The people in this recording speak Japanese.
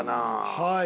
はい。